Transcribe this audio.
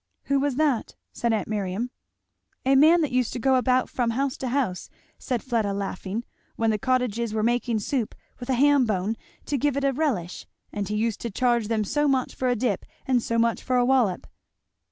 "Who was that?" said aunt Miriam. "A man that used to go about from house to house," said Fleda laughing, "when the cottages were making soup, with a ham bone to give it a relish, and he used to charge them so much for a dip, and so much for a wallop."